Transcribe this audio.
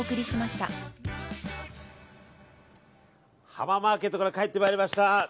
浜マーケットから帰ってまいりました。